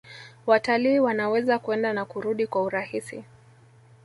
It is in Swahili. Watalii wanaweza kwenda na kurudi kwa urahisi